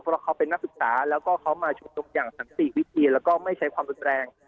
เพราะเขาเป็นนักศึกษาแล้วก็เขามาชุมนุมอย่างสันติวิธีแล้วก็ไม่ใช้ความรุนแรง